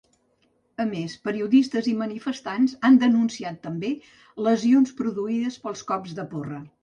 A més, periodistes i manifestants han denunciat també lesions produïdes pels cops de porra.